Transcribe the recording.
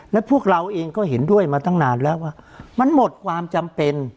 และพวกเราเองก็เห็นด้วยมาตั้งนานแล้วว่ามันหมดความจำเป็น